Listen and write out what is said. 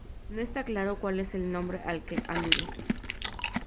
No está claro cuál es el nombre al que alude.